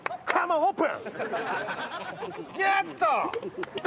オープン！